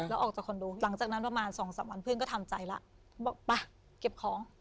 แล้วออกจากคอนโดหลังจากนั้นประมาณสองสามวันเพื่อนก็ทำใจแล้วบอกไปเก็บของ